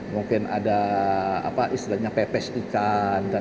mungkin ada pepes ikan dsb